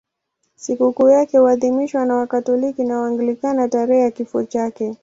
Sikukuu yake huadhimishwa na Wakatoliki na Waanglikana tarehe ya kifo chake.